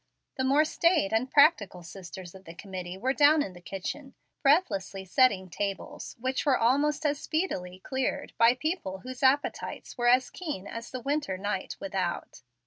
The more staid and practical sisters of the committee were down in the kitchen, breathlessly setting tables which were almost as speedily cleared by people whose appetites were as keen as the winter night without.